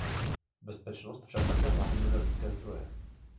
Bezpečnost však také zahrnuje lidské zdroje.